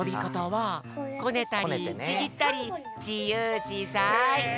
はこねたりちぎったりじゆうじざい。